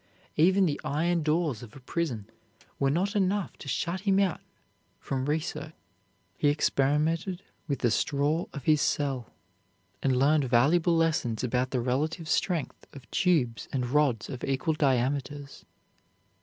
Even the iron doors of a prison were not enough to shut him out from research. He experimented with the straw of his cell, and learned valuable lessons about the relative strength of tubes and rods of equal diameters.